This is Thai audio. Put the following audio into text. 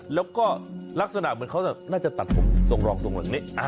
แล้วก็ลักษณะเหมือนเขาน่าจะตัดผมทรงรองตรงหลังนี้